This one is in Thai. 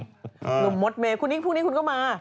หนุ่มมดเมฆคุณนี้คุณก็มา